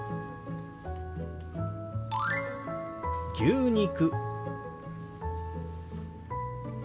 「牛肉」。